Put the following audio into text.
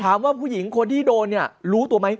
ถามว่าผู้หญิงคนที่โดนเนี่ยรู้ตัวไหม